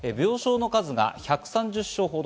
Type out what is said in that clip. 病床の数が１３０床ほど。